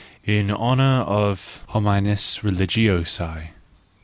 In Honour of Homines Religiosi